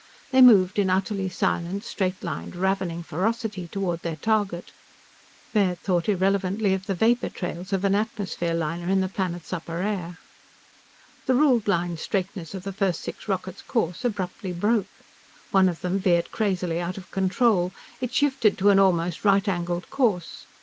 They moved in utterly silent, straight lined, ravening ferocity toward their target. Baird thought irrelevantly of the vapor trails of an atmosphere liner in the planet's upper air. The ruled line straightness of the first six rockets' course abruptly broke. One of them veered crazily out of control. It shifted to an almost right angled course.